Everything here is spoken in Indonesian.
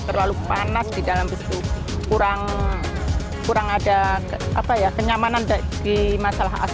terlalu panas di dalam bus itu kurang ada kenyamanan di masalah ac